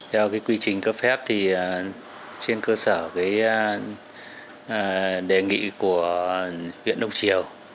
theo quy trình cấp phép trên cơ sở đề nghị của viễn đông triều